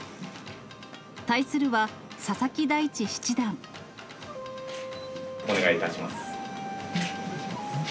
対するは、お願いいたします。